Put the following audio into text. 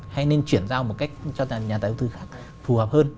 hay nên chuyển giao một cách cho nhà đầu tư phù hợp hơn